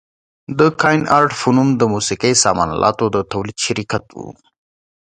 د کاین ارټ په نوم د موسقي سامان الاتو د تولید شرکت و.